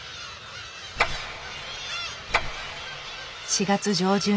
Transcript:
４月上旬。